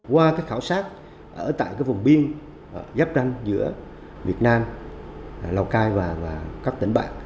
qua các khảo sát ở tại cái vùng biên giáp đăng giữa việt nam lào cai và các tỉnh bạc